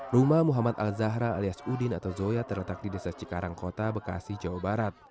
rumah muhammad al zahra alias udin atau zoya terletak di desa cikarang kota bekasi jawa barat